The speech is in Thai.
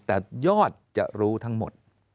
แต่ยอดจะรู้ทั้งหมด